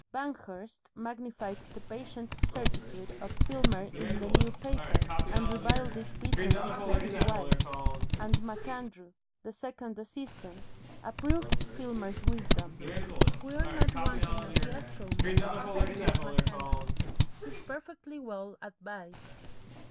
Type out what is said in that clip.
Banghurst magnified the patient certitude of Filmer in the New Paper, and reviled it bitterly to his wife, and MacAndrew, the second assistant, approved Filmer's wisdom. "We're not wanting a fiasco, man," said MacAndrew. "He's perfectly well advised."